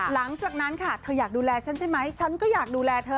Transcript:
หลังจากนั้นค่ะเธออยากดูแลฉันใช่ไหมฉันก็อยากดูแลเธอ